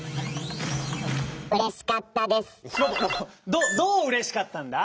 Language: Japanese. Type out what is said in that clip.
どどううれしかったんだ？